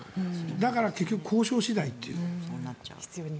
だから結局、交渉次第という。